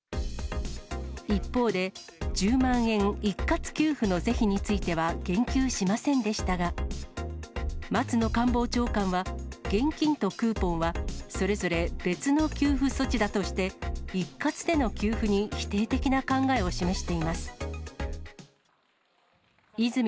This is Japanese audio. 一方で、１０万円一括給付の是非については言及しませんでしたが、松野官房長官は、現金とクーポンは、それぞれ別の給付措置だとして、一括での給付に否定的な考えを示しています。